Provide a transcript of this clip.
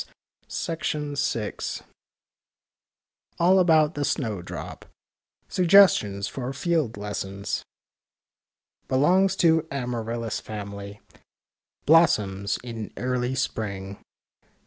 —Barry Cornwall, ALL ABOUT THE SNOWDROP SUGGESTIONS FOR FIELD LESSONS Belongs to amaryllis family. Blossoms in early spring.